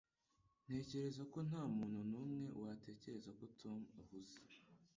Ntekereza ko ntamuntu numwe watekerezaga ko Tom ahuze.